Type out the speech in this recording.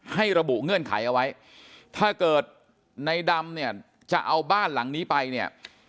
ระบุเงื่อนไขเอาไว้ถ้าเกิดในดำเนี่ยจะเอาบ้านหลังนี้ไปเนี่ย